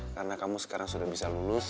karena kamu sekarang sudah bisa lulus